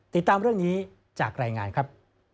ติดตามเรื่องนี้จากรายงานครับ